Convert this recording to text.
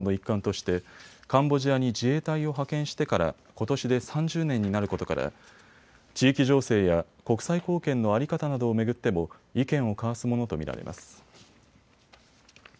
また、日本が国連のＰＫＯ・平和維持活動の一環としてカンボジアに自衛隊を派遣してからことしで３０年になることから地域情勢や国際貢献の在り方などを巡っても意見を交わすものと見られます。